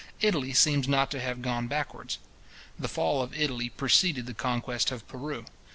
Italy seems not to have gone backwards. The fall of Italy preceded the conquest of Peru.